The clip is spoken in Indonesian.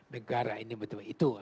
negara ini betul itu